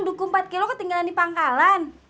duku empat kilo ketinggalan di pangkalan